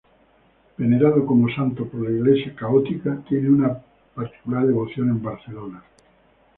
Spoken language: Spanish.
Venerado como santo por la Iglesia Católica, tiene una particular devoción en Barcelona.